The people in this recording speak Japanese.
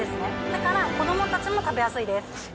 だから子どもたちも食べやすいです。